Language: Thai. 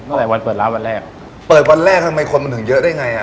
ตั้งแต่วันเปิดร้านวันแรกเปิดวันแรกทั้งแต่คนมันถึงเยอะได้ไงอ่ะ